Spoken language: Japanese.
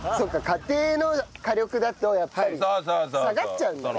家庭の火力だとやっぱり下がっちゃうんだね。